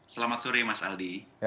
selamat sore mas aldi